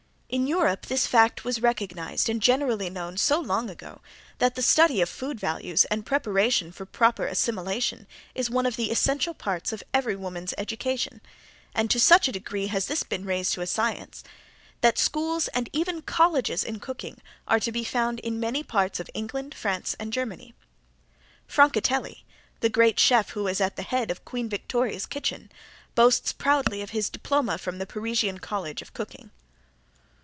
In Europe this fact was recognized and generally known so long ago that the study of food values and preparation for proper assimilation is one of the essential parts of every woman's education, and to such a degree has this become raised to a science that schools and even colleges in cooking are to be found in many parts of England, France and Germany. Francatelli, the great chef who was at the head of Queen Victoria's kitchen, boasts proudly of his diploma from the Parisian College of Cooking.